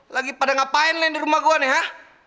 lagi pada ngapain lain di rumah gue nih hah